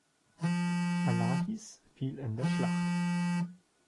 Alahis fiel in der Schlacht.